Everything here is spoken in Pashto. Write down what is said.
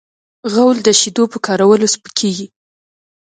غول د شیدو په کارولو سپکېږي.